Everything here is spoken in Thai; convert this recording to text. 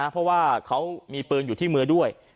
เพราะว่าเขามีปืนอยู่ที่มือด้วย